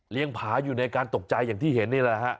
ผาอยู่ในการตกใจอย่างที่เห็นนี่แหละฮะ